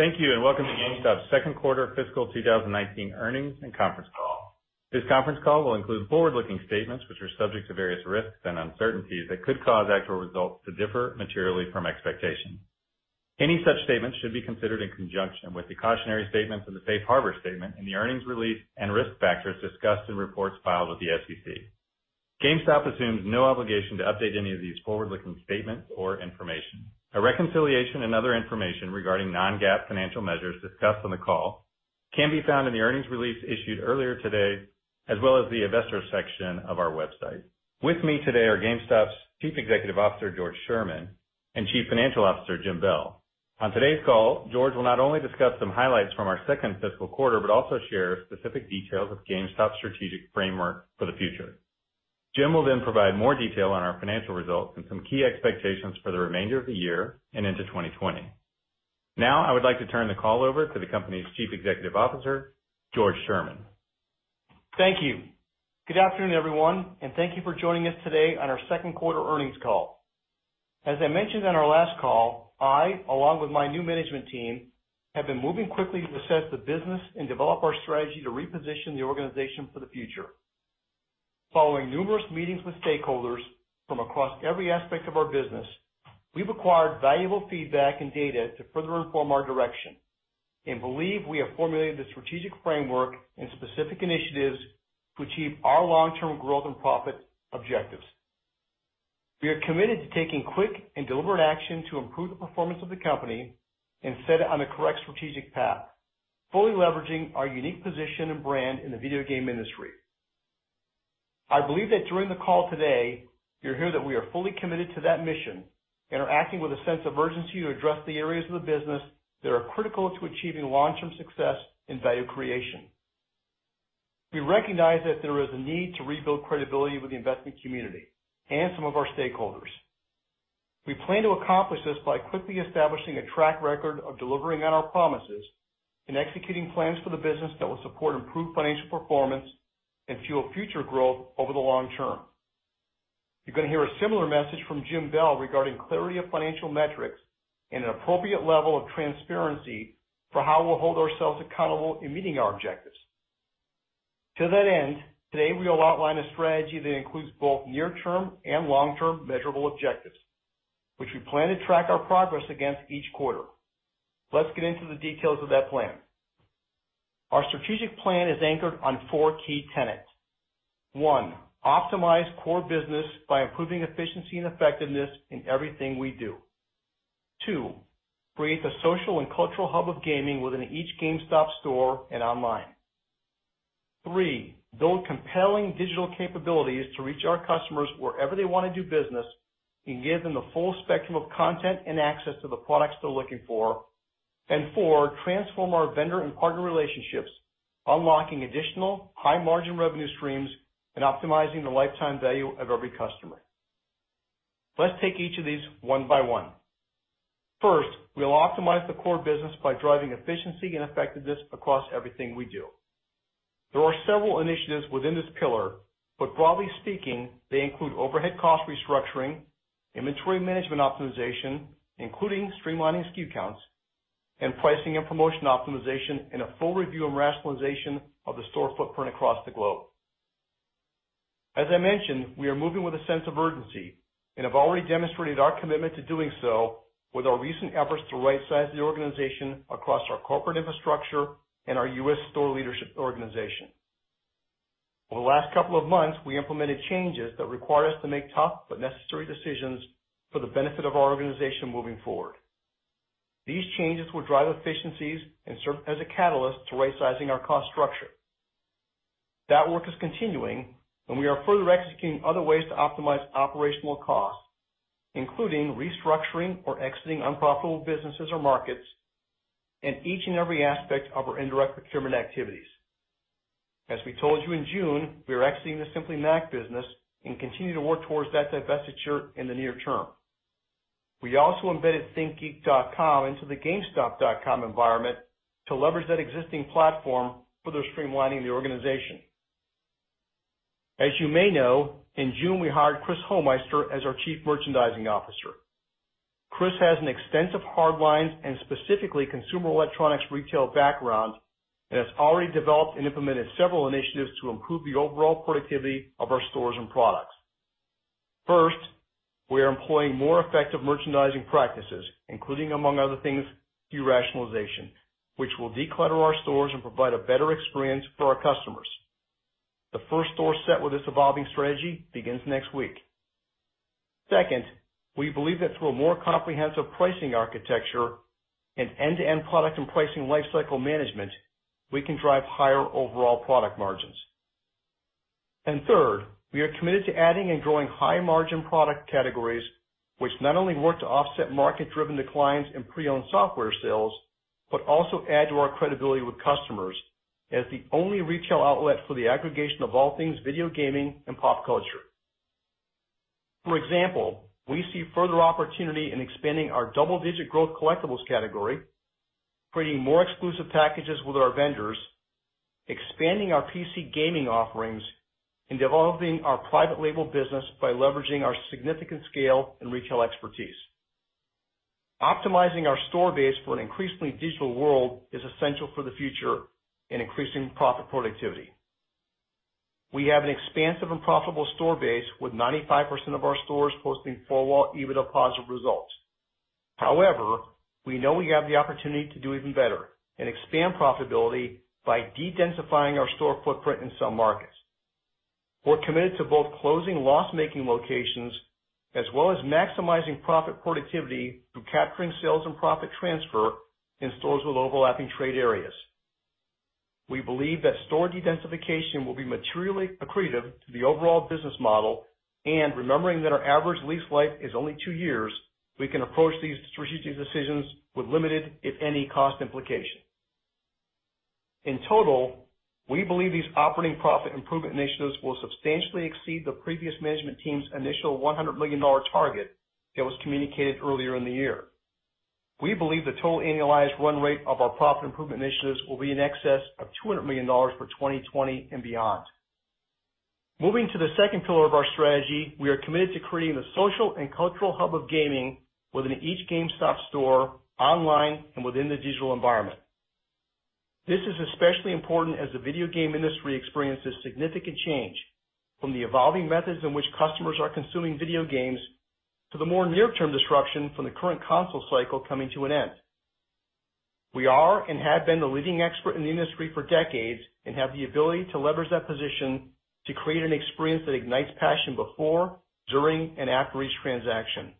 Thank you. Welcome to GameStop's second quarter fiscal 2019 earnings and conference call. This conference call will include forward-looking statements which are subject to various risks and uncertainties that could cause actual results to differ materially from expectation. Any such statements should be considered in conjunction with the cautionary statements and the safe harbor statement in the earnings release and risk factors discussed in reports filed with the SEC. GameStop assumes no obligation to update any of these forward-looking statements or information. A reconciliation and other information regarding non-GAAP financial measures discussed on the call can be found in the earnings release issued earlier today, as well as the investor section of our website. With me today are GameStop's Chief Executive Officer, George Sherman, and Chief Financial Officer, Jim Bell. On today's call, George will not only discuss some highlights from our second fiscal quarter, but also share specific details of GameStop's strategic framework for the future. Jim will then provide more detail on our financial results and some key expectations for the remainder of the year and into 2020. Now, I would like to turn the call over to the company's Chief Executive Officer, George Sherman. Thank you. Good afternoon, everyone, thank you for joining us today on our second quarter earnings call. As I mentioned on our last call, I, along with my new management team, have been moving quickly to assess the business and develop our strategy to reposition the organization for the future. Following numerous meetings with stakeholders from across every aspect of our business, we've acquired valuable feedback and data to further inform our direction and believe we have formulated the strategic framework and specific initiatives to achieve our long-term growth and profit objectives. We are committed to taking quick and deliberate action to improve the performance of the company and set it on the correct strategic path, fully leveraging our unique position and brand in the video game industry. I believe that during the call today, you'll hear that we are fully committed to that mission and are acting with a sense of urgency to address the areas of the business that are critical to achieving long-term success and value creation. We recognize that there is a need to rebuild credibility with the investment community and some of our stakeholders. We plan to accomplish this by quickly establishing a track record of delivering on our promises and executing plans for the business that will support improved financial performance and fuel future growth over the long term. You're going to hear a similar message from Jim Bell regarding clarity of financial metrics and an appropriate level of transparency for how we'll hold ourselves accountable in meeting our objectives. To that end, today we'll outline a strategy that includes both near-term and long-term measurable objectives, which we plan to track our progress against each quarter. Let's get into the details of that plan. Our strategic plan is anchored on four key tenets. 1, optimize core business by improving efficiency and effectiveness in everything we do. 2, create the social and cultural hub of gaming within each GameStop store and online. 3, build compelling digital capabilities to reach our customers wherever they want to do business and give them the full spectrum of content and access to the products they're looking for. 4, transform our vendor and partner relationships, unlocking additional high-margin revenue streams and optimizing the lifetime value of every customer. Let's take each of these one by one. First, we'll optimize the core business by driving efficiency and effectiveness across everything we do. There are several initiatives within this pillar, but broadly speaking, they include overhead cost restructuring, inventory management optimization, including streamlining SKU counts, and pricing and promotion optimization, and a full review and rationalization of the store footprint across the globe. As I mentioned, we are moving with a sense of urgency and have already demonstrated our commitment to doing so with our recent efforts to rightsize the organization across our corporate infrastructure and our U.S. store leadership organization. Over the last couple of months, we implemented changes that require us to make tough but necessary decisions for the benefit of our organization moving forward. These changes will drive efficiencies and serve as a catalyst to rightsizing our cost structure. That work is continuing. We are further executing other ways to optimize operational costs, including restructuring or exiting unprofitable businesses or markets in each and every aspect of our indirect procurement activities. As we told you in June, we are exiting the Simply Mac business and continue to work towards that divestiture in the near term. We also embedded thinkgeek.com into the gamestop.com environment to leverage that existing platform, further streamlining the organization. As you may know, in June, we hired Chris Homeister as our Chief Merchandising Officer. Chris has an extensive hardlines and specifically consumer electronics retail background and has already developed and implemented several initiatives to improve the overall productivity of our stores and products. First, we are employing more effective merchandising practices, including, among other things, SKU rationalization, which will declutter our stores and provide a better experience for our customers. The first store set with this evolving strategy begins next week. Second, we believe that through a more comprehensive pricing architecture and end-to-end product and pricing lifecycle management, we can drive higher overall product margins. Third, we are committed to adding and growing high-margin product categories, which not only work to offset market-driven declines in pre-owned software sales, but also add to our credibility with customers as the only retail outlet for the aggregation of all things video gaming and pop culture. For example, we see further opportunity in expanding our double-digit growth collectibles category, creating more exclusive packages with our vendors, expanding our PC gaming offerings and developing our private label business by leveraging our significant scale and retail expertise. Optimizing our store base for an increasingly digital world is essential for the future in increasing profit productivity. We have an expansive and profitable store base, with 95% of our stores posting four-wall EBITDA positive results. However, we know we have the opportunity to do even better and expand profitability by de-densifying our store footprint in some markets. We're committed to both closing loss-making locations, as well as maximizing profit productivity through capturing sales and profit transfer in stores with overlapping trade areas. We believe that store de-densification will be materially accretive to the overall business model and remembering that our average lease life is only two years, we can approach these strategic decisions with limited, if any, cost implications. In total, we believe these operating profit improvement initiatives will substantially exceed the previous management team's initial $100 million target that was communicated earlier in the year. We believe the total annualized run rate of our profit improvement initiatives will be in excess of $200 million for 2020 and beyond. Moving to the second pillar of our strategy, we are committed to creating a social and cultural hub of gaming within each GameStop store, online, and within the digital environment. This is especially important as the video game industry experiences significant change from the evolving methods in which customers are consuming video games, to the more near-term disruption from the current console cycle coming to an end. We are and have been the leading expert in the industry for decades and have the ability to leverage that position to create an experience that ignites passion before, during, and after each transaction.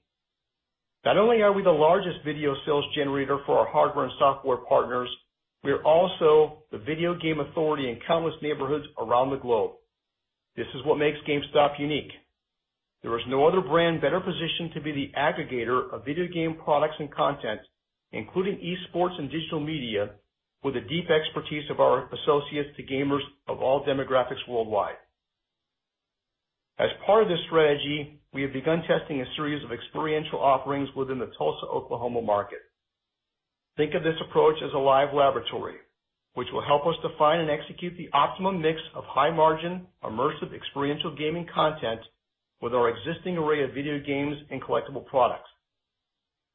Not only are we the largest video sales generator for our hardware and software partners, we are also the video game authority in countless neighborhoods around the globe. This is what makes GameStop unique. There is no other brand better positioned to be the aggregator of video game products and content, including esports and digital media, with a deep expertise of our associates to gamers of all demographics worldwide. As part of this strategy, we have begun testing a series of experiential offerings within the Tulsa, Oklahoma market. Think of this approach as a live laboratory, which will help us define and execute the optimum mix of high-margin, immersive, experiential gaming content with our existing array of video games and collectible products.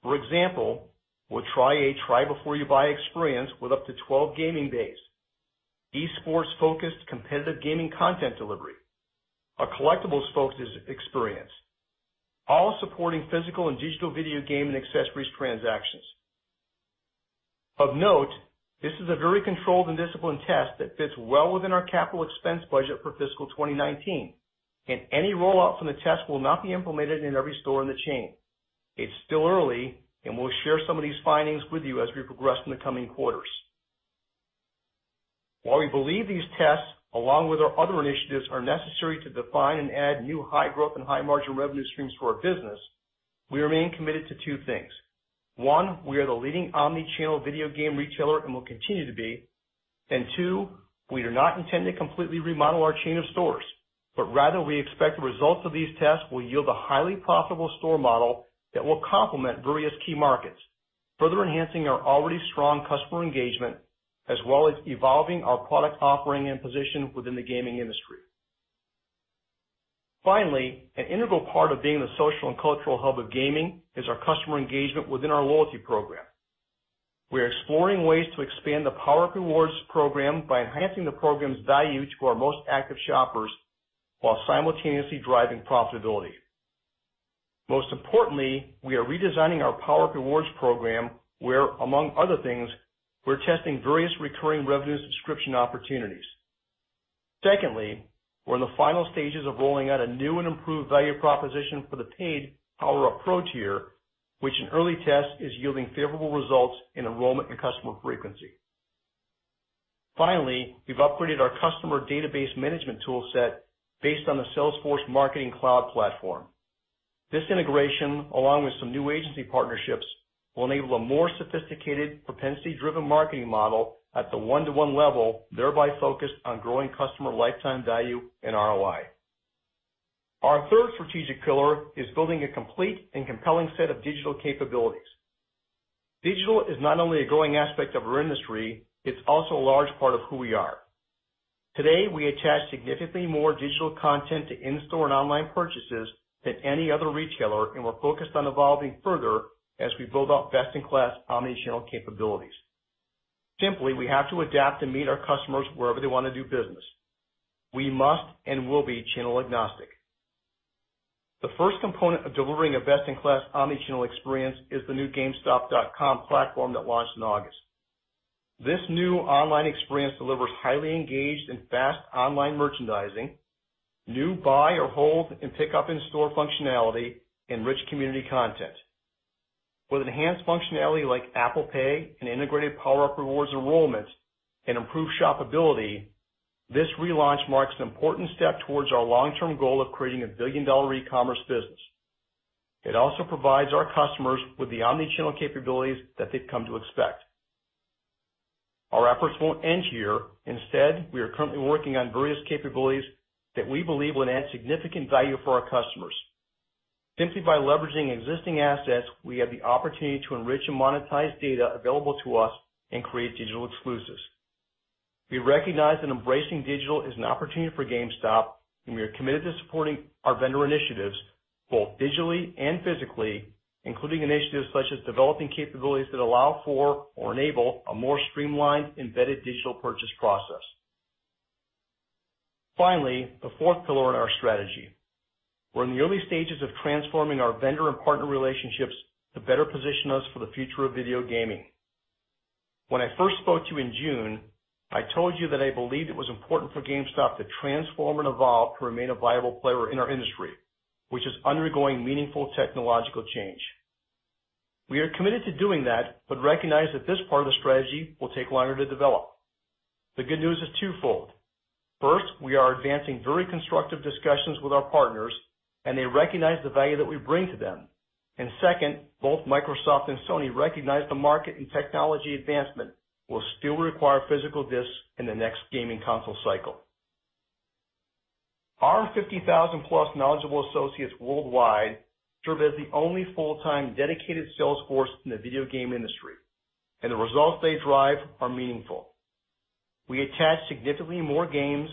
For example, we'll try a try before you buy experience with up to 12 gaming bays, e-sports focused competitive gaming content delivery, a collectibles-focused experience, all supporting physical and digital video game and accessories transactions. Of note, this is a very controlled and disciplined test that fits well within our capital expense budget for fiscal 2019. Any rollout from the test will not be implemented in every store in the chain. It's still early. We'll share some of these findings with you as we progress in the coming quarters. While we believe these tests, along with our other initiatives, are necessary to define and add new high growth and high margin revenue streams to our business, we remain committed to two things. One, we are the leading omni-channel video game retailer and will continue to be. Two, we do not intend to completely remodel our chain of stores, but rather, we expect the results of these tests will yield a highly profitable store model that will complement various key markets, further enhancing our already strong customer engagement, as well as evolving our product offering and position within the gaming industry. Finally, an integral part of being the social and cultural hub of gaming is our customer engagement within our loyalty program. We are exploring ways to expand the PowerUp Rewards program by enhancing the program's value to our most active shoppers while simultaneously driving profitability. Most importantly, we are redesigning our PowerUp Rewards program where, among other things, we're testing various recurring revenue subscription opportunities. Secondly, we're in the final stages of rolling out a new and improved value proposition for the paid PowerUp Pro tier, which in early tests is yielding favorable results in enrollment and customer frequency. Finally, we've upgraded our customer database management tool set based on the Salesforce Marketing Cloud platform. This integration, along with some new agency partnerships, will enable a more sophisticated propensity-driven marketing model at the one-to-one level, thereby focused on growing customer lifetime value and ROI. Our third strategic pillar is building a complete and compelling set of digital capabilities. Digital is not only a growing aspect of our industry, it's also a large part of who we are. Today, we attach significantly more digital content to in-store and online purchases than any other retailer, and we're focused on evolving further as we build out best-in-class omni-channel capabilities. Simply, we have to adapt and meet our customers wherever they want to do business. We must and will be channel agnostic. The first component of delivering a best-in-class omni-channel experience is the new GameStop.com platform that launched in August. This new online experience delivers highly engaged and fast online merchandising, new buy or hold and pickup in-store functionality, and rich community content. With enhanced functionality like Apple Pay and integrated PowerUp Rewards enrollment and improved shoppability, this relaunch marks an important step towards our long-term goal of creating a billion-dollar e-commerce business. It also provides our customers with the omni-channel capabilities that they've come to expect. Our efforts won't end here. Instead, we are currently working on various capabilities that we believe will add significant value for our customers. Simply by leveraging existing assets, we have the opportunity to enrich and monetize data available to us and create digital exclusives. We recognize that embracing digital is an opportunity for GameStop, and we are committed to supporting our vendor initiatives, both digitally and physically, including initiatives such as developing capabilities that allow for or enable a more streamlined, embedded digital purchase process. Finally, the fourth pillar in our strategy. We're in the early stages of transforming our vendor and partner relationships to better position us for the future of video gaming. When I first spoke to you in June, I told you that I believed it was important for GameStop to transform and evolve to remain a viable player in our industry, which is undergoing meaningful technological change. We are committed to doing that, but recognize that this part of the strategy will take longer to develop. The good news is twofold. First, we are advancing very constructive discussions with our partners, and they recognize the value that we bring to them. Second, both Microsoft and Sony recognize the market and technology advancement will still require physical disks in the next gaming console cycle. Our 50,000-plus knowledgeable associates worldwide serve as the only full-time dedicated sales force in the video game industry, and the results they drive are meaningful. We attach significantly more games,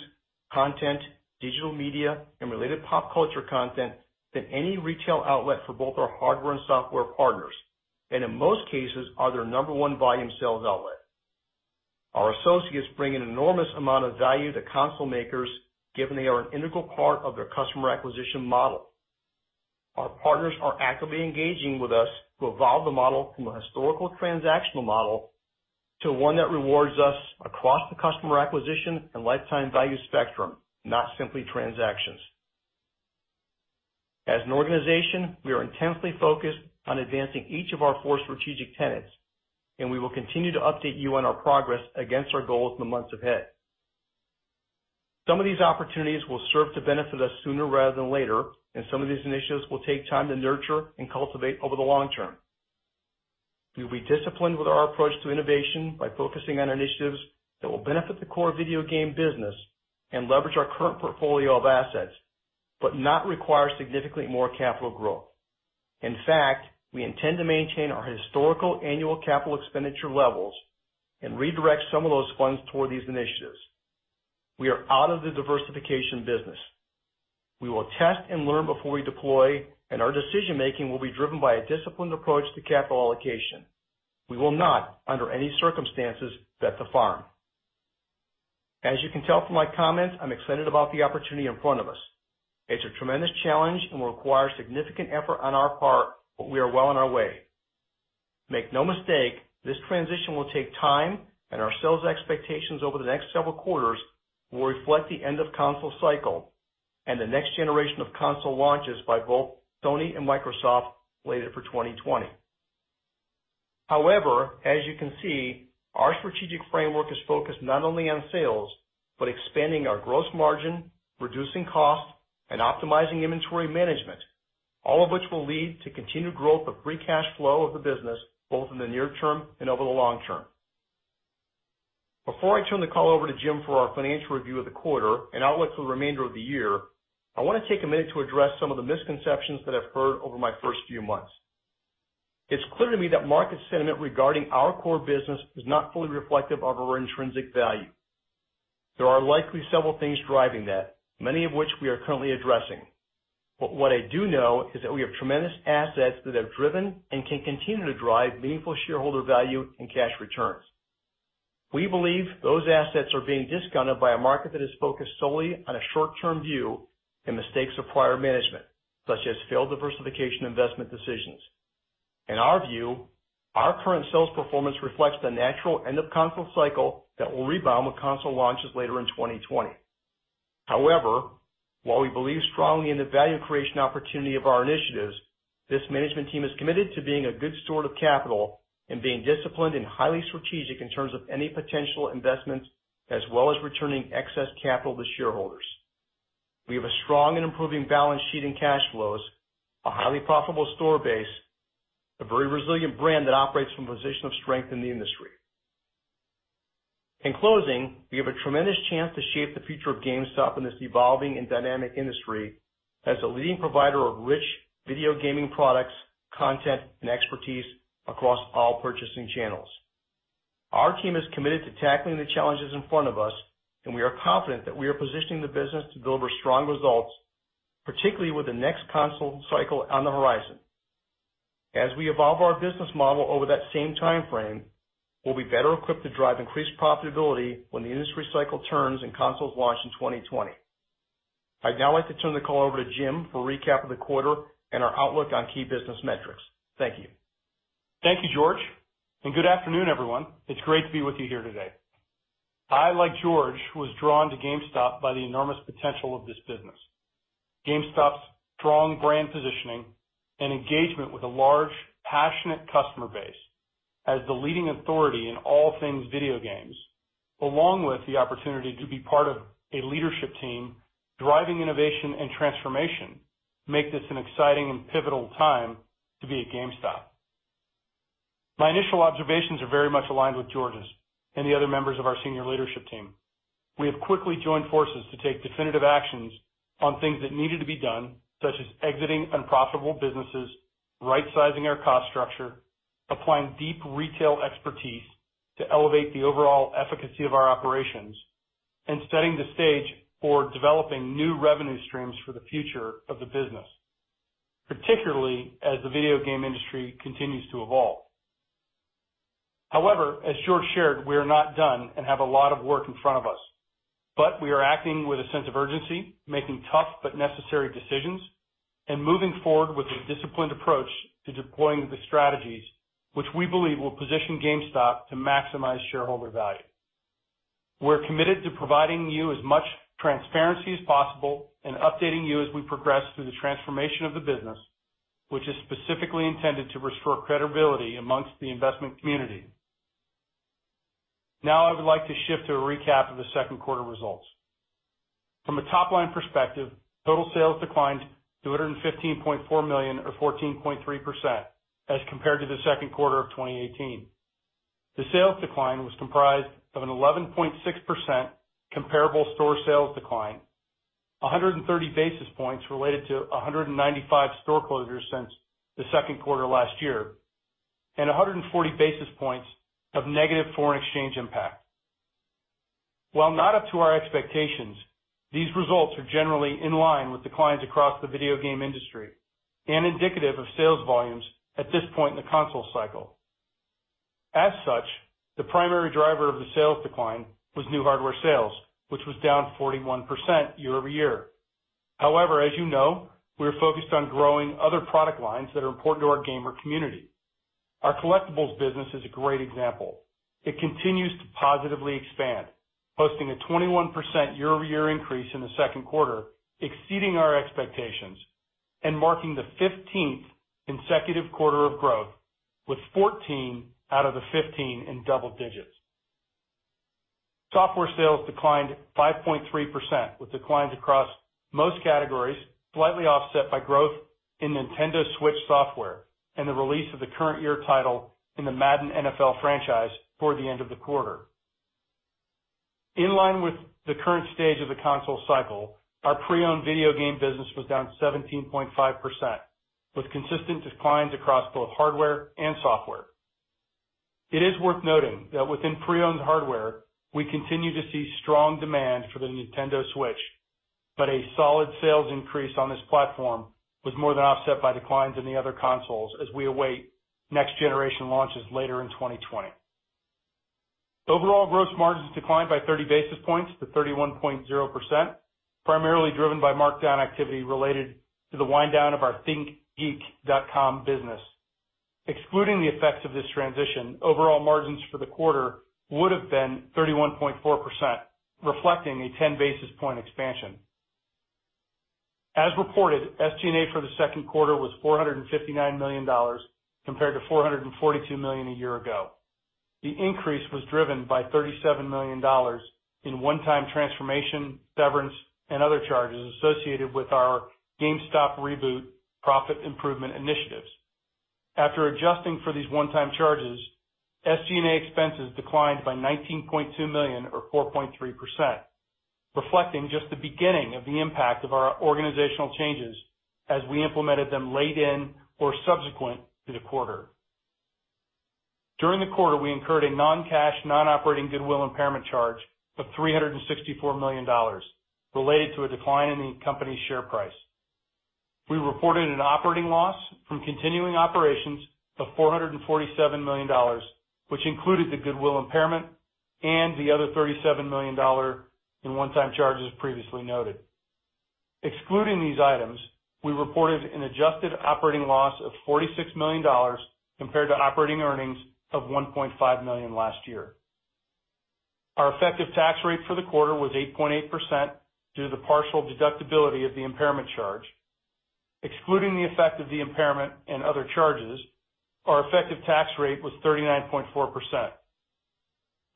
content, digital media, and related pop culture content than any retail outlet for both our hardware and software partners, and in most cases, are their number one volume sales outlet. Our associates bring an enormous amount of value to console makers, given they are an integral part of their customer acquisition model. Our partners are actively engaging with us to evolve the model from a historical transactional model to one that rewards us across the customer acquisition and lifetime value spectrum, not simply transactions. As an organization, we are intensely focused on advancing each of our four strategic tenets, and we will continue to update you on our progress against our goals in the months ahead. Some of these opportunities will serve to benefit us sooner rather than later, and some of these initiatives will take time to nurture and cultivate over the long term. We will be disciplined with our approach to innovation by focusing on initiatives that will benefit the core video game business and leverage our current portfolio of assets but not require significantly more capital growth. In fact, we intend to maintain our historical annual capital expenditure levels and redirect some of those funds toward these initiatives. We are out of the diversification business. We will test and learn before we deploy, and our decision-making will be driven by a disciplined approach to capital allocation. We will not, under any circumstances, bet the farm. As you can tell from my comments, I'm excited about the opportunity in front of us. It's a tremendous challenge and will require significant effort on our part, but we are well on our way. Make no mistake, this transition will take time, and our sales expectations over the next several quarters will reflect the end of console cycle and the next generation of console launches by both Sony and Microsoft, slated for 2020. However, as you can see, our strategic framework is focused not only on sales, but expanding our gross margin, reducing cost, and optimizing inventory management, all of which will lead to continued growth of free cash flow of the business, both in the near term and over the long term. Before I turn the call over to Jim for our financial review of the quarter and outlook for the remainder of the year, I want to take a minute to address some of the misconceptions that I've heard over my first few months. It's clear to me that market sentiment regarding our core business is not fully reflective of our intrinsic value. There are likely several things driving that, many of which we are currently addressing. What I do know is that we have tremendous assets that have driven and can continue to drive meaningful shareholder value and cash returns. We believe those assets are being discounted by a market that is focused solely on a short-term view and mistakes of prior management, such as failed diversification investment decisions. In our view, our current sales performance reflects the natural end of console cycle that will rebound with console launches later in 2020. However, while we believe strongly in the value creation opportunity of our initiatives, this management team is committed to being a good steward of capital and being disciplined and highly strategic in terms of any potential investments, as well as returning excess capital to shareholders. We have a strong and improving balance sheet and cash flows, a highly profitable store base, a very resilient brand that operates from a position of strength in the industry. In closing, we have a tremendous chance to shape the future of GameStop in this evolving and dynamic industry as a leading provider of rich video gaming products, content, and expertise across all purchasing channels. Our team is committed to tackling the challenges in front of us, and we are confident that we are positioning the business to deliver strong results, particularly with the next console cycle on the horizon. As we evolve our business model over that same time frame, we'll be better equipped to drive increased profitability when the industry cycle turns and consoles launch in 2020. I'd now like to turn the call over to Jim for a recap of the quarter and our outlook on key business metrics. Thank you. Thank you, George, and good afternoon, everyone. It's great to be with you here today. I, like George, was drawn to GameStop by the enormous potential of this business. GameStop's strong brand positioning and engagement with a large, passionate customer base as the leading authority in all things video games, along with the opportunity to be part of a leadership team driving innovation and transformation, make this an exciting and pivotal time to be at GameStop. My initial observations are very much aligned with George's and the other members of our senior leadership team. We have quickly joined forces to take definitive actions on things that needed to be done, such as exiting unprofitable businesses, right-sizing our cost structure, applying deep retail expertise to elevate the overall efficacy of our operations, and setting the stage for developing new revenue streams for the future of the business, particularly as the video game industry continues to evolve. As George shared, we are not done and have a lot of work in front of us. We are acting with a sense of urgency, making tough but necessary decisions, and moving forward with a disciplined approach to deploying the strategies which we believe will position GameStop to maximize shareholder value. We're committed to providing you as much transparency as possible and updating you as we progress through the transformation of the business, which is specifically intended to restore credibility amongst the investment community. Now I would like to shift to a recap of the second quarter results. From a top-line perspective, total sales declined to $215.4 million or 14.3% as compared to the second quarter of 2018. The sales decline was comprised of an 11.6% comparable store sales decline, 130 basis points related to 195 store closures since the second quarter last year, and 140 basis points of negative foreign exchange impact. While not up to our expectations, these results are generally in line with declines across the video game industry and indicative of sales volumes at this point in the console cycle. The primary driver of the sales decline was new hardware sales, which was down 41% year-over-year. As you know, we are focused on growing other product lines that are important to our gamer community. Our collectibles business is a great example. It continues to positively expand, posting a 21% year-over-year increase in the second quarter, exceeding our expectations and marking the 15th consecutive quarter of growth with 14 out of the 15 in double digits. Software sales declined 5.3% with declines across most categories, slightly offset by growth in Nintendo Switch software and the release of the current year title in the Madden NFL franchise toward the end of the quarter. In line with the current stage of the console cycle, our pre-owned video game business was down 17.5%, with consistent declines across both hardware and software. It is worth noting that within pre-owned hardware, we continue to see strong demand for the Nintendo Switch, but a solid sales increase on this platform was more than offset by declines in the other consoles as we await next generation launches later in 2020. Overall gross margins declined by 30 basis points to 31.0%, primarily driven by markdown activity related to the wind down of our ThinkGeek.com business. Excluding the effects of this transition, overall margins for the quarter would've been 31.4%, reflecting a 10 basis point expansion. As reported, SG&A for the second quarter was $459 million compared to $442 million a year ago. The increase was driven by $37 million in one-time transformation, severance, and other charges associated with our GameStop Reboot profit improvement initiatives. After adjusting for these one-time charges, SG&A expenses declined by $19.2 million or 4.3%, reflecting just the beginning of the impact of our organizational changes as we implemented them late in or subsequent to the quarter. During the quarter, we incurred a non-cash, non-operating goodwill impairment charge of $364 million related to a decline in the company's share price. We reported an operating loss from continuing operations of $447 million, which included the goodwill impairment and the other $37 million in one-time charges previously noted. Excluding these items, we reported an adjusted operating loss of $46 million compared to operating earnings of $1.5 million last year. Our effective tax rate for the quarter was 8.8% due to the partial deductibility of the impairment charge. Excluding the effect of the impairment and other charges, our effective tax rate was 39.4%,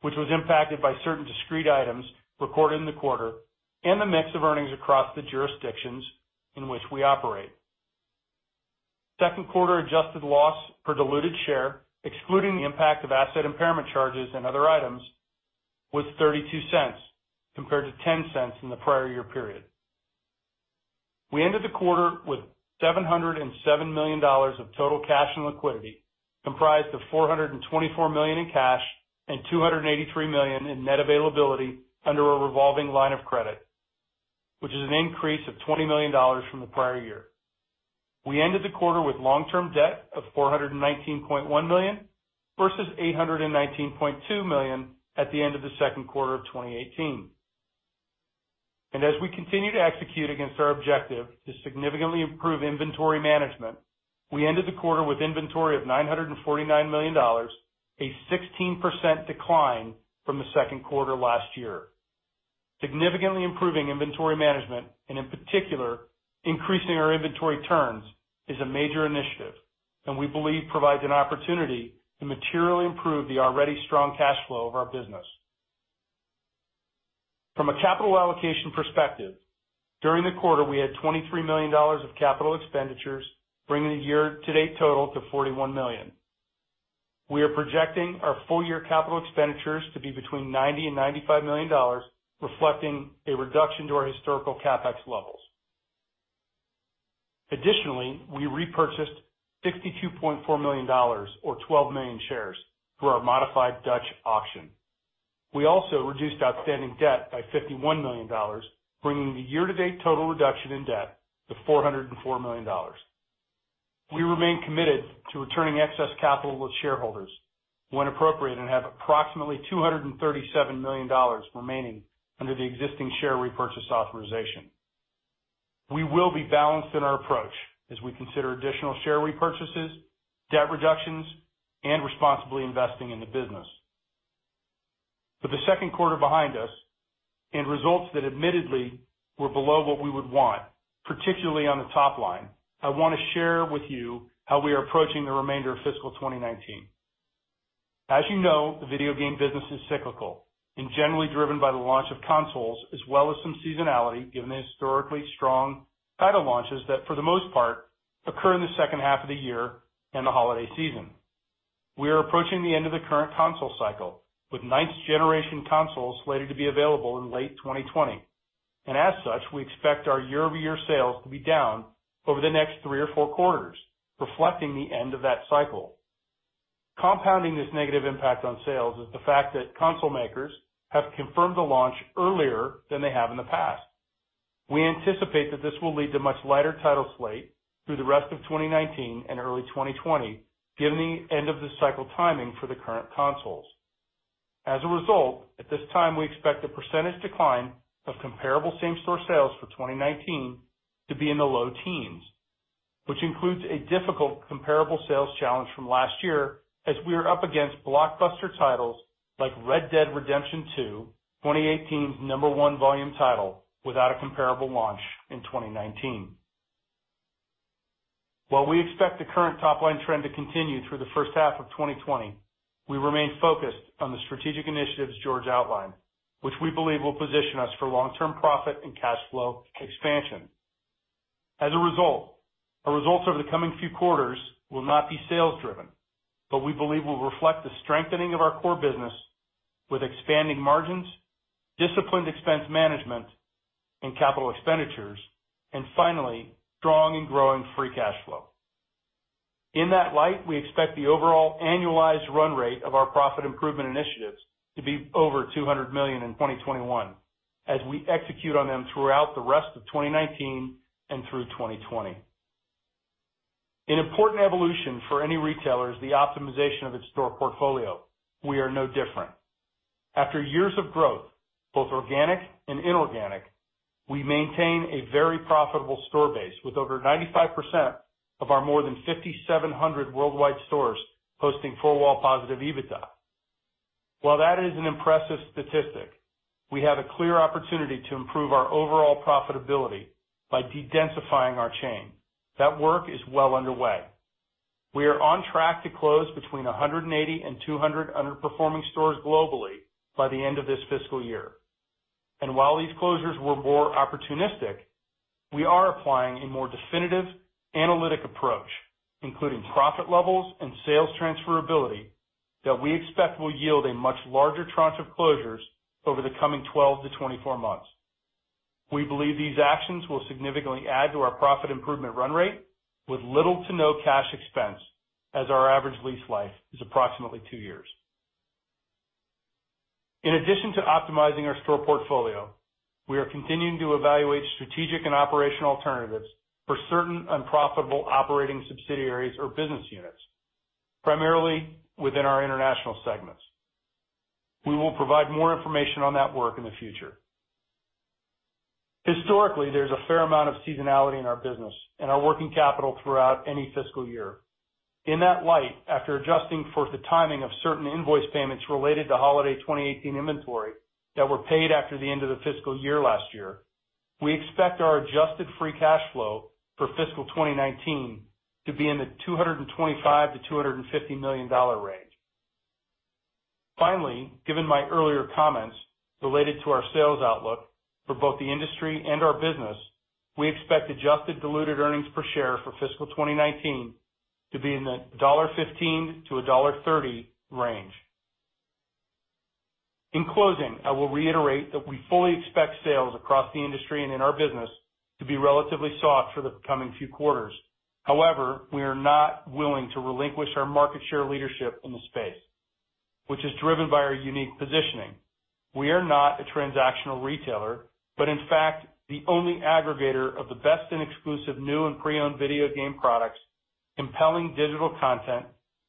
which was impacted by certain discrete items recorded in the quarter and the mix of earnings across the jurisdictions in which we operate. Second quarter adjusted loss per diluted share, excluding the impact of asset impairment charges and other items, was $0.32 compared to $0.10 in the prior year period. We ended the quarter with $707 million of total cash and liquidity, comprised of $424 million in cash and $283 million in net availability under a revolving line of credit, which is an increase of $20 million from the prior year. We ended the quarter with long-term debt of $419.1 million versus $819.2 million at the end of the second quarter of 2018. As we continue to execute against our objective to significantly improve inventory management, we ended the quarter with inventory of $949 million, a 16% decline from the second quarter last year. Significantly improving inventory management, and in particular, increasing our inventory turns is a major initiative, and we believe provides an opportunity to materially improve the already strong cash flow of our business. From a capital allocation perspective, during the quarter, we had $23 million of capital expenditures, bringing the year-to-date total to $41 million. We are projecting our full-year capital expenditures to be between $90 million and $95 million, reflecting a reduction to our historical CapEx levels. Additionally, we repurchased $62.4 million or 12 million shares through our modified Dutch auction. We also reduced outstanding debt by $51 million, bringing the year-to-date total reduction in debt to $404 million. We remain committed to returning excess capital with shareholders when appropriate and have approximately $237 million remaining under the existing share repurchase authorization. We will be balanced in our approach as we consider additional share repurchases, debt reductions, and responsibly investing in the business. With the second quarter behind us and results that admittedly were below what we would want, particularly on the top line, I want to share with you how we are approaching the remainder of fiscal 2019. As you know, the video game business is cyclical and generally driven by the launch of consoles as well as some seasonality, given the historically strong title launches that for the most part, occur in the second half of the year and the holiday season. We are approaching the end of the current console cycle, with ninth-generation consoles slated to be available in late 2020, and as such, we expect our year-over-year sales to be down over the next three or four quarters, reflecting the end of that cycle. Compounding this negative impact on sales is the fact that console makers have confirmed the launch earlier than they have in the past. We anticipate that this will lead to much lighter title slate through the rest of 2019 and early 2020, given the end-of-the-cycle timing for the current consoles. As a result, at this time, we expect a percentage decline of comparable same-store sales for 2019 to be in the low teens, which includes a difficult comparable sales challenge from last year as we are up against blockbuster titles like Red Dead Redemption 2, 2018's number 1 volume title, without a comparable launch in 2019. While we expect the current top-line trend to continue through the first half of 2020, we remain focused on the strategic initiatives George outlined, which we believe will position us for long-term profit and cash flow expansion. As a result, our results over the coming few quarters will not be sales driven, but we believe will reflect the strengthening of our core business with expanding margins, disciplined expense management and capital expenditures, and finally, strong and growing free cash flow. In that light, we expect the overall annualized run rate of our profit improvement initiatives to be over $200 million in 2021 as we execute on them throughout the rest of 2019 and through 2020. An important evolution for any retailer is the optimization of its store portfolio. We are no different. After years of growth, both organic and inorganic, we maintain a very profitable store base with over 95% of our more than 5,700 worldwide stores posting four-wall positive EBITDA. While that is an impressive statistic, we have a clear opportunity to improve our overall profitability by de-densifying our chain. That work is well underway. We are on track to close between 180 and 200 underperforming stores globally by the end of this fiscal year. While these closures were more opportunistic, we are applying a more definitive analytic approach, including profit levels and sales transferability that we expect will yield a much larger tranche of closures over the coming 12 to 24 months. We believe these actions will significantly add to our profit improvement run rate with little to no cash expense as our average lease life is approximately two years. In addition to optimizing our store portfolio, we are continuing to evaluate strategic and operational alternatives for certain unprofitable operating subsidiaries or business units, primarily within our international segments. We will provide more information on that work in the future. Historically, there's a fair amount of seasonality in our business and our working capital throughout any fiscal year. In that light, after adjusting for the timing of certain invoice payments related to holiday 2018 inventory that were paid after the end of the fiscal year last year, we expect our adjusted free cash flow for fiscal 2019 to be in the $225 million-$250 million range. Finally, given my earlier comments related to our sales outlook for both the industry and our business, we expect adjusted diluted earnings per share for fiscal 2019 to be in the $1.15-$1.30 range. In closing, I will reiterate that we fully expect sales across the industry and in our business to be relatively soft for the coming few quarters. However, we are not willing to relinquish our market share leadership in the space, which is driven by our unique positioning. We are not a transactional retailer, but in fact, the only aggregator of the best and exclusive new and pre-owned video game products, compelling digital content,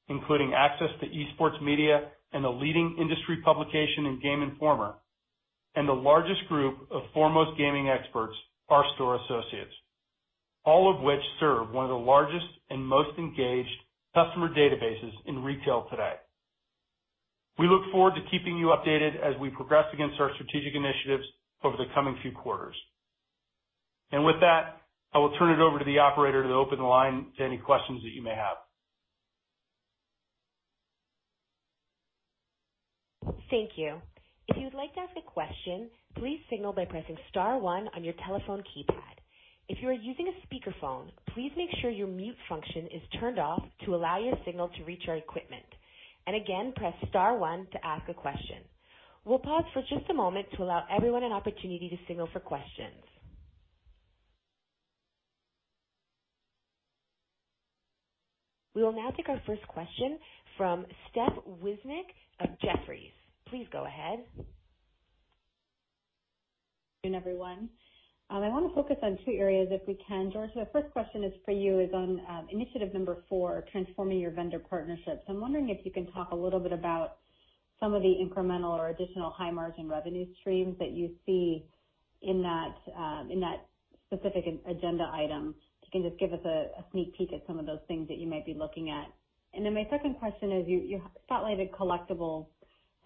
including access to esports media and the leading industry publication in Game Informer, and the largest group of foremost gaming experts, our store associates, all of which serve one of the largest and most engaged customer databases in retail today. We look forward to keeping you updated as we progress against our strategic initiatives over the coming few quarters. With that, I will turn it over to the operator to open the line to any questions that you may have. Thank you. If you would like to ask a question, please signal by pressing star one on your telephone keypad. If you are using a speakerphone, please make sure your mute function is turned off to allow your signal to reach our equipment. Again, press star one to ask a question. We'll pause for just a moment to allow everyone an opportunity to signal for questions. We will now take our first question from Stephanie Wissink of Jefferies. Please go ahead. Good afternoon, everyone. I want to focus on two areas if we can. George, the first question is for you is on initiative number 4, transforming your vendor partnerships. I am wondering if you can talk a little bit about some of the incremental or additional high-margin revenue streams that you see in that specific agenda item. If you can just give us a sneak peek at some of those things that you might be looking at. My second question is, you spotlighted collectibles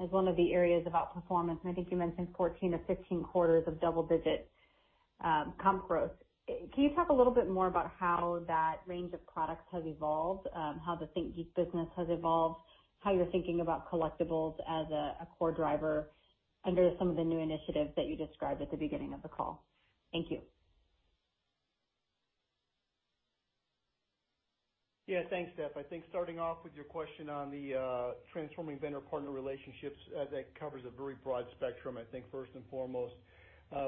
as one of the areas of outperformance, and I think you mentioned 14-15 quarters of double-digit comp growth. Can you talk a little bit more about how that range of products has evolved, how the ThinkGeek business has evolved, how you are thinking about collectibles as a core driver under some of the new initiatives that you described at the beginning of the call? Thank you. Yeah. Thanks, Steph. I think starting off with your question on the transforming vendor partner relationships, that covers a very broad spectrum. I think first and foremost,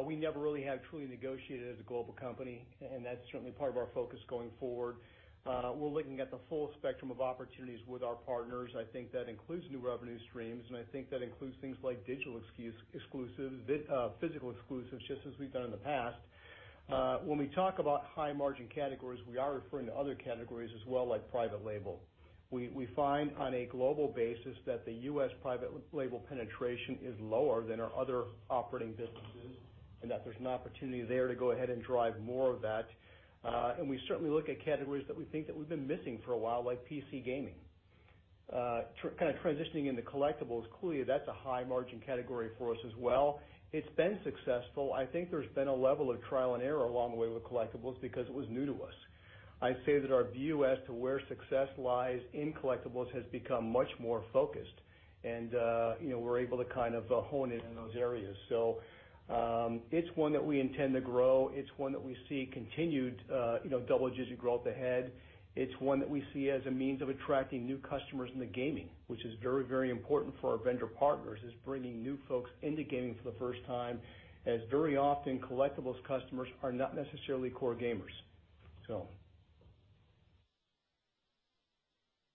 we never really have truly negotiated as a global company, and that's certainly part of our focus going forward. We're looking at the full spectrum of opportunities with our partners. I think that includes new revenue streams, and I think that includes things like digital exclusives, physical exclusives, just as we've done in the past. When we talk about high-margin categories, we are referring to other categories as well, like private label. We find on a global basis that the U.S. private label penetration is lower than our other operating businesses and that there's an opportunity there to go ahead and drive more of that. We certainly look at categories that we think that we've been missing for a while, like PC gaming. Kind of transitioning into collectibles, clearly that's a high-margin category for us as well. It's been successful. I think there's been a level of trial and error along the way with collectibles because it was new to us. I'd say that our view as to where success lies in collectibles has become much more focused and we're able to kind of hone in on those areas. It's one that we intend to grow. It's one that we see continued double-digit growth ahead. It's one that we see as a means of attracting new customers into gaming, which is very important for our vendor partners, is bringing new folks into gaming for the first time, as very often, collectibles customers are not necessarily core gamers.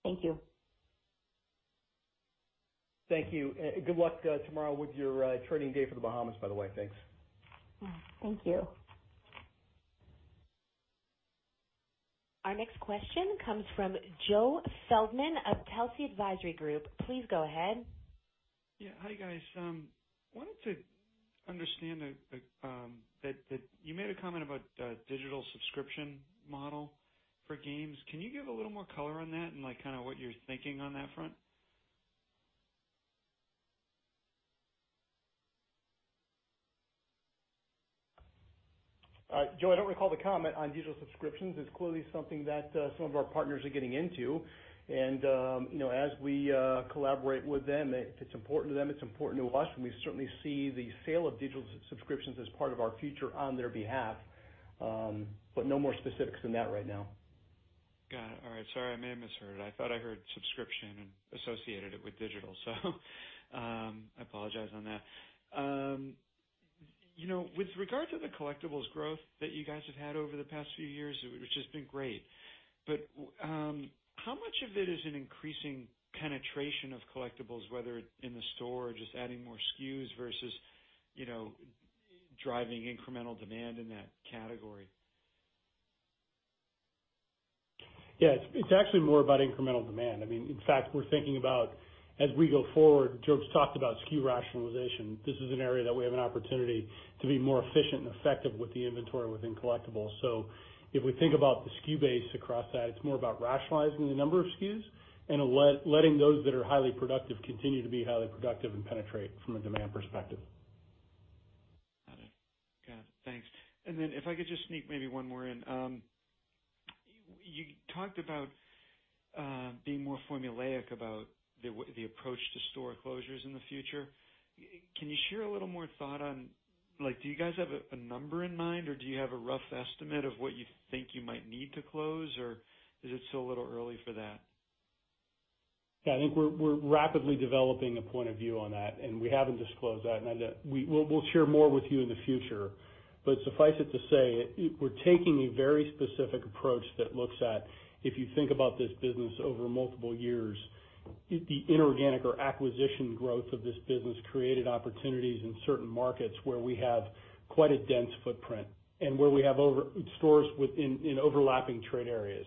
Thank you. Thank you. Good luck tomorrow with your training day for the Bahamas, by the way. Thanks. Thank you. Our next question comes from Joseph Feldman of Telsey Advisory Group. Please go ahead. Yeah. Hi, guys. I wanted to understand that you made a comment about digital subscription model for games. Can you give a little more color on that and what you're thinking on that front? Joe, I don't recall the comment on digital subscriptions. It's clearly something that some of our partners are getting into. As we collaborate with them, if it's important to them, it's important to us, and we certainly see the sale of digital subscriptions as part of our future on their behalf. No more specifics than that right now. Got it. All right. Sorry, I may have misheard. I thought I heard subscription and associated it with digital. I apologize on that. With regard to the collectibles growth that you guys have had over the past few years, which has been great. How much of it is an increasing penetration of collectibles, whether it's in the store or just adding more SKUs versus driving incremental demand in that category? It's actually more about incremental demand. In fact, we're thinking about as we go forward, George talked about SKU rationalization. This is an area that we have an opportunity to be more efficient and effective with the inventory within collectibles. If we think about the SKU base across that, it's more about rationalizing the number of SKUs and letting those that are highly productive continue to be highly productive and penetrate from a demand perspective. Got it. Thanks. If I could just sneak maybe one more in. You talked about being more formulaic about the approach to store closures in the future. Can you share a little more thought on, do you guys have a number in mind, or do you have a rough estimate of what you think you might need to close, or is it still a little early for that? Yeah. I think we're rapidly developing a point of view on that, and we haven't disclosed that. We'll share more with you in the future. Suffice it to say, we're taking a very specific approach that looks at, if you think about this business over multiple years, the inorganic or acquisition growth of this business created opportunities in certain markets where we have quite a dense footprint and where we have stores in overlapping trade areas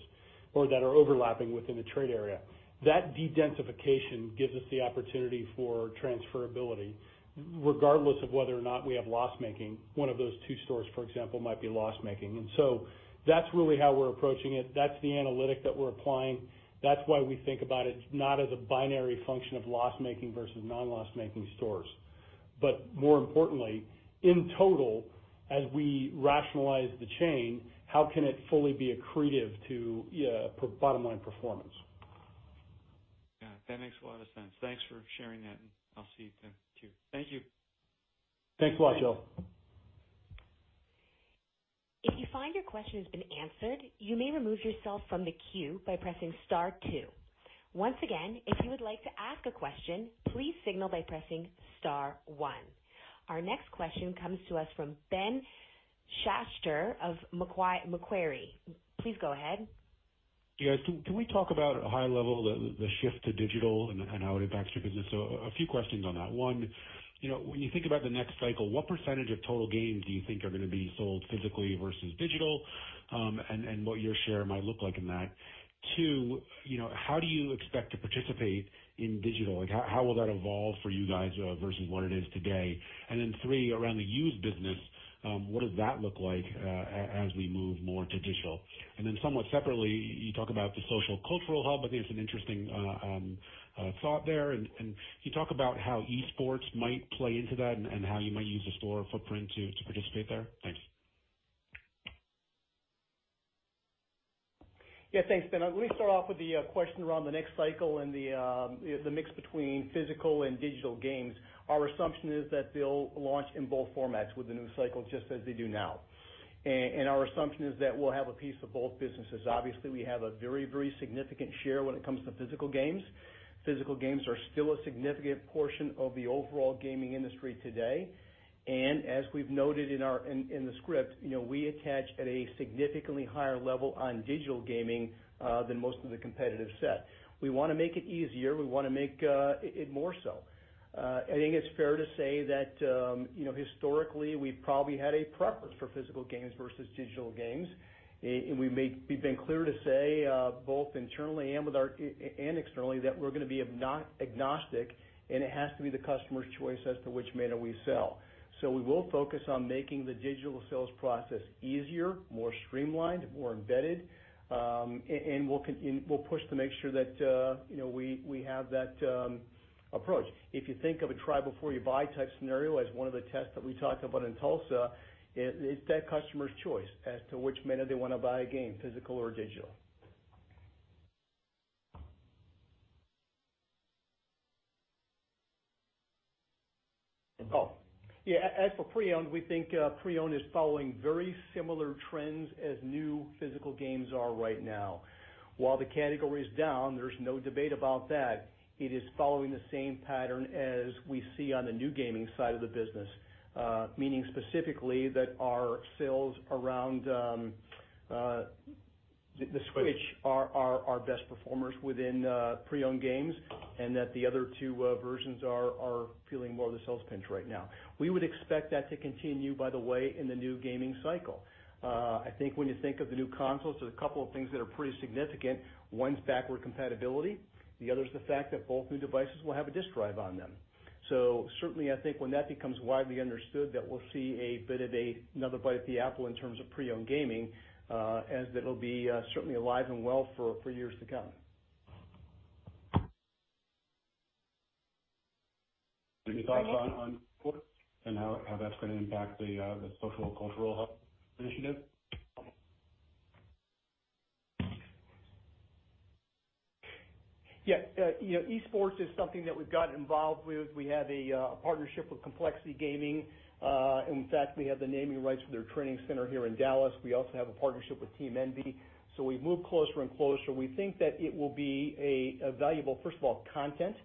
or that are overlapping within a trade area. That de-densification gives us the opportunity for transferability, regardless of whether or not we have loss-making. One of those two stores, for example, might be loss-making. That's really how we're approaching it. That's the analytic that we're applying. That's why we think about it not as a binary function of loss-making versus non-loss-making stores. More importantly, in total, as we rationalize the chain, how can it fully be accretive to bottom-line performance? Yeah. That makes a lot of sense. Thanks for sharing that, and I'll see you then too. Thank you. Thanks a lot, Joe. If you find your question has been answered, you may remove yourself from the queue by pressing star two. Once again, if you would like to ask a question, please signal by pressing star one. Our next question comes to us from Ben Schachter of Macquarie. Please go ahead. Yes. Can we talk about, at a high level, the shift to digital and how it impacts your business? A few questions on that. One, when you think about the next cycle, what percentage of total games do you think are going to be sold physically versus digital, and what your share might look like in that? Two, how do you expect to participate in digital? How will that evolve for you guys versus what it is today? Three, around the used business, what does that look like as we move more to digital? Somewhat separately, you talk about the social cultural hub. I think it's an interesting thought there. Can you talk about how e-sports might play into that and how you might use the store footprint to participate there? Thanks. Thanks, Ben. Let me start off with the question around the next cycle and the mix between physical and digital games. Our assumption is that they'll launch in both formats with the new cycle just as they do now. Our assumption is that we'll have a piece of both businesses. Obviously, we have a very significant share when it comes to physical games. Physical games are still a significant portion of the overall gaming industry today. As we've noted in the script, we attach at a significantly higher level on digital gaming than most of the competitive set. We want to make it easier. We want to make it more so. I think it's fair to say that historically, we've probably had a preference for physical games versus digital games. We've been clear to say both internally and externally that we're going to be agnostic, and it has to be the customer's choice as to which manner we sell. We will focus on making the digital sales process easier, more streamlined, more embedded, and we'll push to make sure that we have that approach. If you think of a try before you buy type scenario as one of the tests that we talked about in Tulsa, it's that customer's choice as to which manner they want to buy a game, physical or digital. As for pre-owned, we think pre-owned is following very similar trends as new physical games are right now. While the category is down, there's no debate about that. It is following the same pattern as we see on the new gaming side of the business. Meaning specifically that our sales around the Switch are our best performers within pre-owned games and that the other two versions are feeling more of the sales pinch right now. We would expect that to continue, by the way, in the new gaming cycle. I think when you think of the new consoles, there's a couple of things that are pretty significant. One is backward compatibility. The other is the fact that both new devices will have a disk drive on them. Certainly, I think when that becomes widely understood, that we'll see another bite at the apple in terms of pre-owned gaming, as it'll be certainly alive and well for years to come. Any thoughts on sports and how that's going to impact the social cultural hub initiative? Yeah. e-sports is something that we've gotten involved with. We have a partnership with Complexity Gaming. In fact, we have the naming rights for their training center here in Dallas. We also have a partnership with Team Envy. We've moved closer and closer. We think that it will be valuable, first of all, content.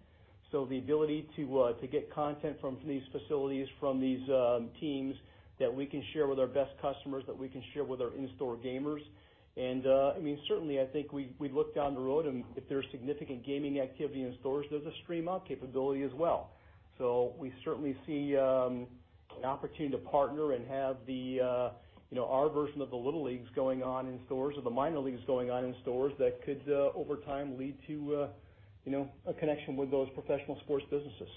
The ability to get content from these facilities, from these teams that we can share with our best customers, that we can share with our in-store gamers. Certainly, I think we look down the road and if there's significant gaming activity in stores, there's a stream-up capability as well. We certainly see an opportunity to partner and have our version of the little leagues going on in stores or the minor leagues going on in stores that could over time lead to a connection with those professional sports businesses.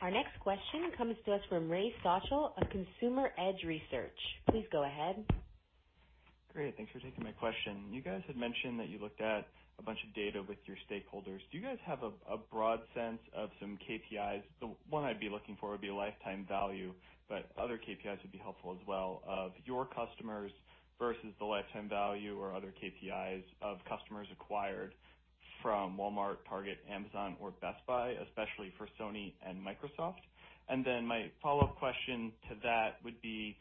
Our next question comes to us from Ray Stochel of Consumer Edge Research. Please go ahead. Great. Thanks for taking my question. You guys had mentioned that you looked at a bunch of data with your stakeholders. Do you guys have a broad sense of some KPIs? The one I'd be looking for would be lifetime value, but other KPIs would be helpful as well of your customers versus the lifetime value or other KPIs of customers acquired from Walmart, Target, Amazon, or Best Buy, especially for Sony and Microsoft. Then my follow-up question to that would be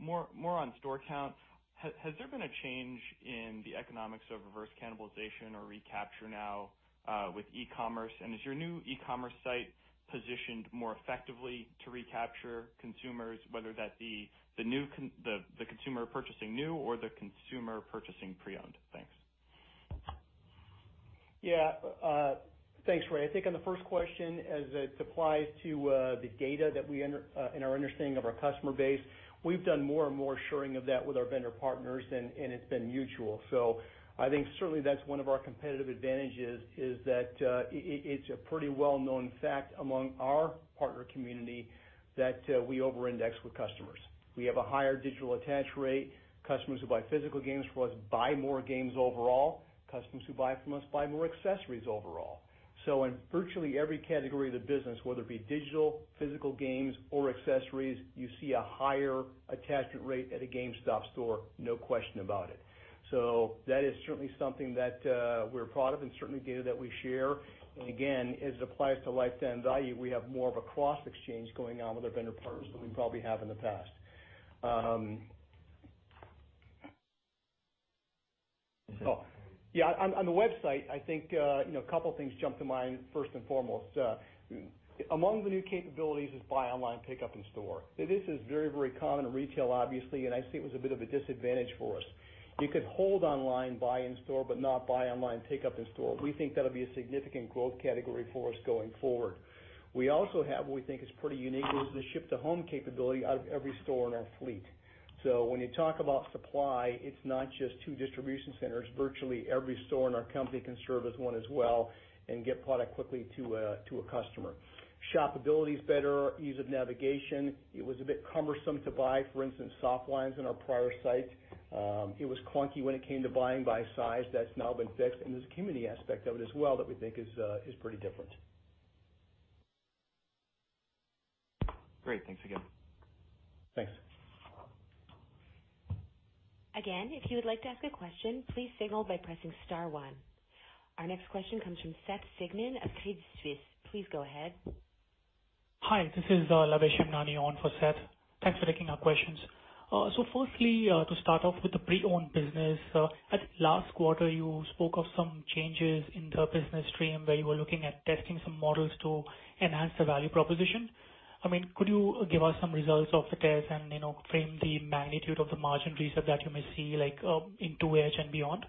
more on store count. Has there been a change in the economics of reverse cannibalization or recapture now with e-commerce? Is your new e-commerce site positioned more effectively to recapture consumers, whether that be the consumer purchasing new or the consumer purchasing pre-owned? Thanks. Yeah. Thanks, Ray. I think on the first question, as it applies to the data and our understanding of our customer base, we've done more and more sharing of that with our vendor partners, and it's been mutual. I think certainly that's one of our competitive advantages, is that it's a pretty well-known fact among our partner community that we over-index with customers. We have a higher digital attach rate. Customers who buy physical games from us buy more games overall. Customers who buy from us buy more accessories overall. In virtually every category of the business, whether it be digital, physical games, or accessories, you see a higher attachment rate at a GameStop store, no question about it. That is certainly something that we're proud of and certainly data that we share. Again, as it applies to lifetime value, we have more of a cross-exchange going on with our vendor partners than we probably have in the past. On the website, I think a couple things jump to mind, first and foremost. Among the new capabilities is buy online, pickup in store. This is very common in retail, obviously, and I see it was a bit of a disadvantage for us. You could hold online, buy in store, but not buy online, pickup in store. We think that'll be a significant growth category for us going forward. We also have what we think is pretty unique, is the ship to home capability out of every store in our fleet. When you talk about supply, it's not just two distribution centers. Virtually every store in our company can serve as one as well and get product quickly to a customer. Shoppability is better, ease of navigation. It was a bit cumbersome to buy, for instance, soft lines in our prior site. It was clunky when it came to buying by size. That's now been fixed, and there's a community aspect of it as well that we think is pretty different. Great. Thanks again. Thanks. Again, if you would like to ask a question, please signal by pressing star one. Our next question comes from Seth Sigman of Credit Suisse. Please go ahead. Hi, this is Lavesh Navani on for Seth. Thanks for taking our questions. Firstly, to start off with the pre-owned business. At last quarter, you spoke of some changes in the business stream where you were looking at testing some models to enhance the value proposition. Could you give us some results of the test and frame the magnitude of the margin reset that you may see into H and beyond?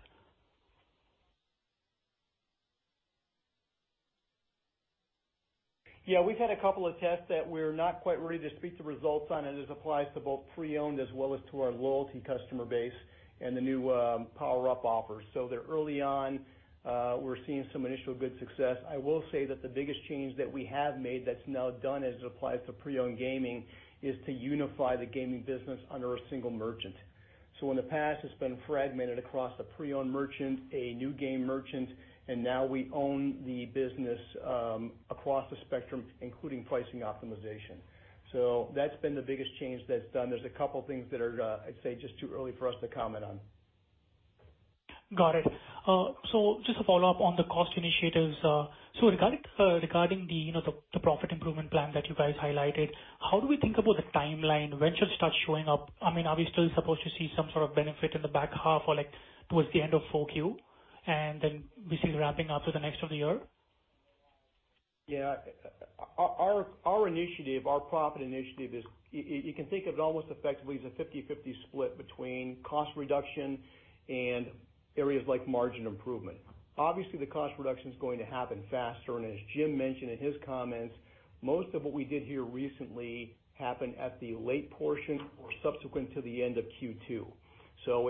Yeah. We've had a couple of tests that we're not quite ready to speak to results on. This applies to both pre-owned as well as to our loyalty customer base and the new PowerUp offers. They're early on. We're seeing some initial good success. I will say that the biggest change that we have made that's now done as it applies to pre-owned gaming, is to unify the gaming business under a single merchant. In the past, it's been fragmented across a pre-owned merchant, a new game merchant, and now we own the business across the spectrum, including pricing optimization. That's been the biggest change that's done. There's a couple things that are, I'd say, just too early for us to comment on. Got it. Just a follow-up on the cost initiatives. Regarding the profit improvement plan that you guys highlighted, how do we think about the timeline? When should it start showing up? Are we still supposed to see some sort of benefit in the back half or towards the end of 4Q, then we see it ramping up to the next of the year? Our profit initiative is, you can think of it almost effectively as a 50/50 split between cost reduction and areas like margin improvement. Obviously, the cost reduction is going to happen faster, and as Jim mentioned in his comments, most of what we did here recently happened at the late portion or subsequent to the end of Q2.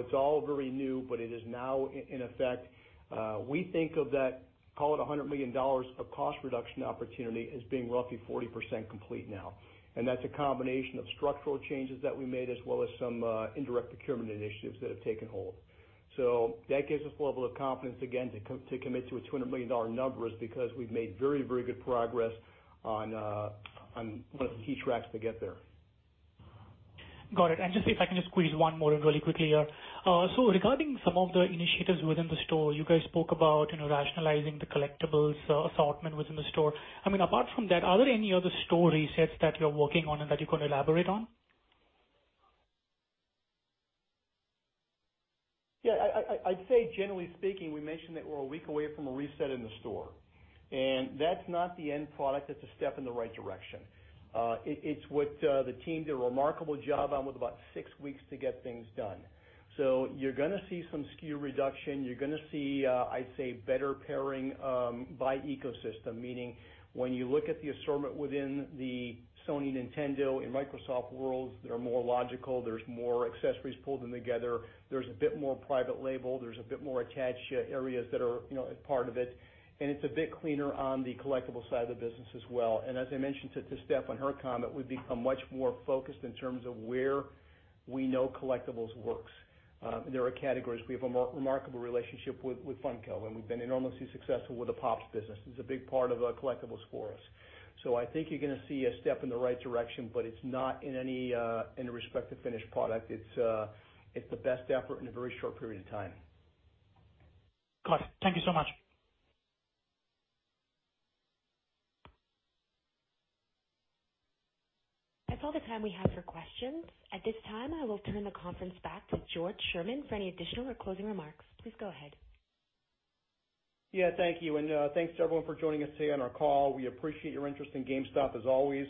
It's all very new, but it is now in effect. We think of that, call it $100 million of cost reduction opportunity, as being roughly 40% complete now. That's a combination of structural changes that we made, as well as some indirect procurement initiatives that have taken hold. That gives us level of confidence, again, to commit to a $200 million number is because we've made very good progress on one of the key tracks to get there. Got it. Just see if I can just squeeze one more in really quickly here. Regarding some of the initiatives within the store, you guys spoke about rationalizing the collectibles assortment within the store. Apart from that, are there any other store resets that you're working on and that you can elaborate on? Yeah. I'd say generally speaking, we mentioned that we're a week away from a reset in the store. That's not the end product, it's a step in the right direction. It's what the team did a remarkable job on with about six weeks to get things done. You're going to see some SKU reduction. You're going to see, I'd say, better pairing by ecosystem, meaning when you look at the assortment within the Sony, Nintendo, and Microsoft worlds, they are more logical. There's more accessories pulled in together. There's a bit more private label, there's a bit more attach areas that are part of it, and it's a bit cleaner on the collectible side of the business as well. As I mentioned to Steph on her comment, we've become much more focused in terms of where we know collectibles works. There are categories. We have a remarkable relationship with Funko, and we've been enormously successful with the Pop! business. This is a big part of collectibles for us. I think you're going to see a step in the right direction, but it's not in any respect a finished product. It's the best effort in a very short period of time. Got it. Thank you so much. That's all the time we have for questions. At this time, I will turn the conference back to George Sherman for any additional or closing remarks. Please go ahead. Yeah, thank you, and thanks to everyone for joining us today on our call. We appreciate your interest in GameStop as always.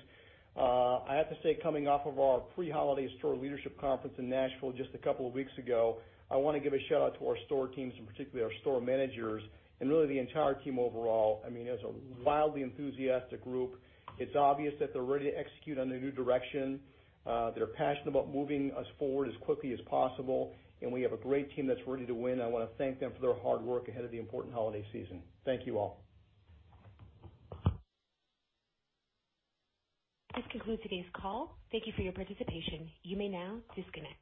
I have to say, coming off of our pre-holiday store leadership conference in Nashville just a couple of weeks ago, I want to give a shout-out to our store teams, and particularly our store managers, and really the entire team overall. It was a wildly enthusiastic group. It's obvious that they're ready to execute on their new direction. They're passionate about moving us forward as quickly as possible, and we have a great team that's ready to win, and I want to thank them for their hard work ahead of the important holiday season. Thank you all. This concludes today's call. Thank you for your participation. You may now disconnect.